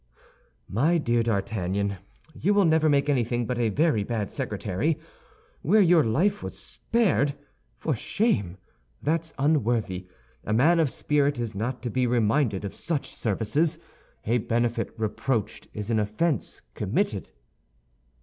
_" "My dear D'Artagnan, you will never make anything but a very bad secretary. Where your life was spared! For shame! that's unworthy. A man of spirit is not to be reminded of such services. A benefit reproached is an offense committed."